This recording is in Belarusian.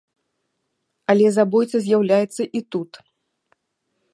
Але забойца з'яўляецца і тут.